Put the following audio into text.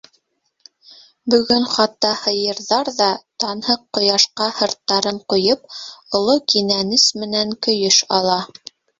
Бөгөн хатта һыйырҙар ҙа, танһыҡ ҡояшҡа һырттарын ҡуйып, оло кинәнес менән көйөш ала.